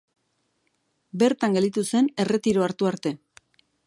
Bertan gelditu zen erretiroa hartu arte.